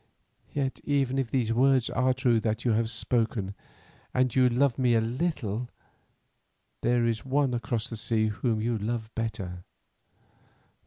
Yet even if the words are true that you have spoken and you love me a little, there is one across the sea whom you love better.